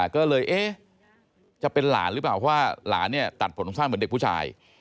ก็เลยจะเป็นหลานหรือเปล่าว่าหลานตัดผมสั้นเหมือนเด็กผู้ชาย